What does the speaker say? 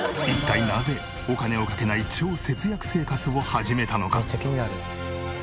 一体なぜお金をかけない超節約生活を始めたのか？